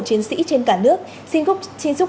chiến sĩ trên cả nước xin giúp